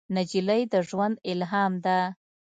نجلۍ د ژوند الهام ده.